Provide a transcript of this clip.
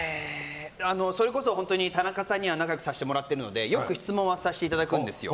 それこそ、田中さんには仲良くさせてもらってるのでよく質問はさせていただくんですよ。